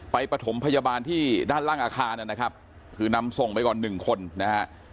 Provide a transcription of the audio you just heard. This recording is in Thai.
ปฐมพยาบาลที่ด้านล่างอาคารนะครับคือนำส่งไปก่อนหนึ่งคนนะฮะ